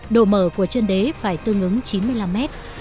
độ mở của chân đế phải tương ứng chín mươi năm mét